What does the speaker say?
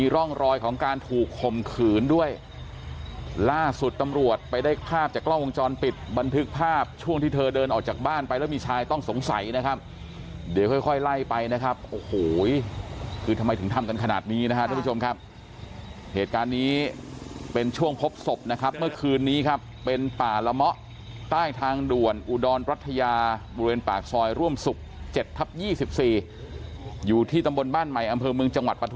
รอยของการถูกคมขืนด้วยล่าสุดตำรวจไปได้ภาพจากกล้องวงจรปิดบันทึกภาพช่วงที่เธอเดินออกจากบ้านไปแล้วมีชายต้องสงสัยนะครับเดี๋ยวค่อยค่อยไล่ไปนะครับโอ้โหคือทำไมถึงทำกันขนาดนี้นะครับทุกผู้ชมครับเหตุการณ์นี้เป็นช่วงพบศพนะครับเมื่อคืนนี้ครับเป็นป่าระมะใต้ทางด่วนอุดรรัฐยาบริเว